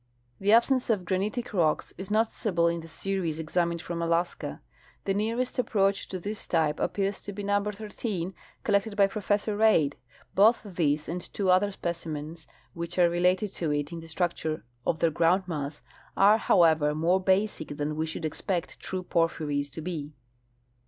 — The absence of granitic rocks is noticeable in the series examined from Alaska. The nearest approach to this t3^pe appears to be number 13, collected l^y Professor Reid. Both this and two other specimens which are related to it in the structure of their groundmass, are, however, more basic than we should expect true porphyries to be.